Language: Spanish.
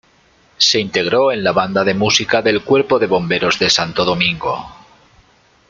Se integró a la Banda de Música del Cuerpo de Bomberos de Santo Domingo.